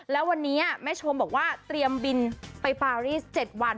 แล้ววันนี้แม่ชมบอกว่าเตรียมบินไปปารีส๗วัน